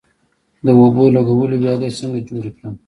د اوبو لګولو ویالې څنګه جوړې کړم؟